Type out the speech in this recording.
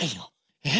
えっ？